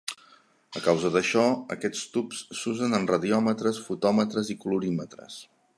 A causa d'això, aquests tubs s'usen en radiòmetres, fotòmetres i colorímetres.